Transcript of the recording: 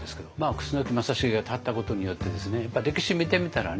楠木正成が立ったことによってですねやっぱ歴史見てみたらね